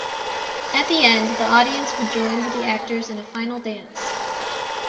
At the end, the audience would join with the actors in a final dance.